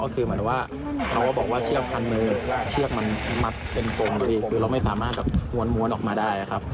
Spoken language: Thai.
คือเกาะบุกยาครับรอไว้